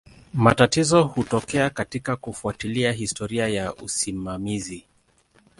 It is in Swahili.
Matatizo hutokea katika kufuatilia historia ya usimamizi.